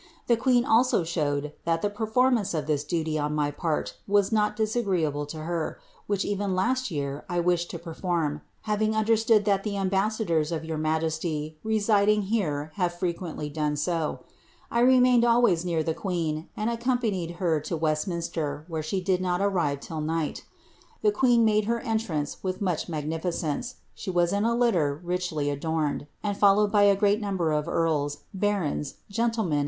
The queen also ihowed, that the performance of this duty on my part was not dis igreeable to her, which even last year I wished to perform, having un lerstood that the ambassadors of your majesty residing here have fre ]iiently done so I remained always near the queen, and accom panied her to Westminster, where she did not arrive till night The ' Sidney Papers. VOL* ni» ^16 183 KLIIABBTB. queen nuule her entrance wuh much nwgnificence; she wu in s liua Tichiy adorned, and followed by a greai number of rarls, faarou, gnii* men.